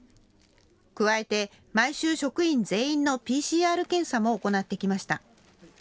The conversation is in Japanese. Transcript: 加えて毎週、職員全員のＰＣＲ検査も行ってきました。